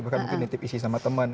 bahkan mungkin nitip isi sama teman